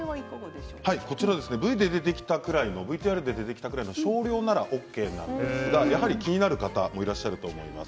ＶＴＲで出てきたぐらいの少量ならＯＫなんですがやはり気になる方もいらっしゃると思います。